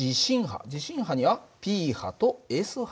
地震波にはＰ波とＳ波がある。